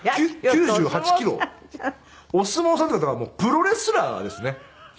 お相撲さんっていうかだからプロレスラーですね。